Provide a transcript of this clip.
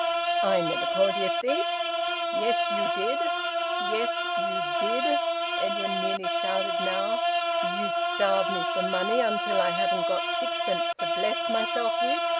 "I never called ye a thief." "Yes, you did! Yes, you did!" Edwin nearly shouted now. "You starve me for money, until I haven't got sixpence to bless myself with.